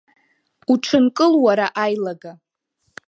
Уҽынкыл уара аилага!